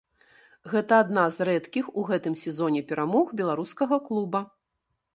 Гэта адна з рэдкіх у гэтым сезоне перамог беларускага клуба.